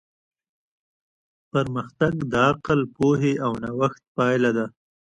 پرمختګ د عقل، پوهې او نوښت پایله ده.